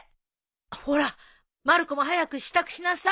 ほらまる子も早く支度しなさい。